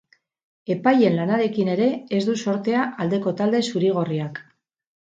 Epaileen lanarekin ere ez du zortea aldeko talde zuri-gorriak.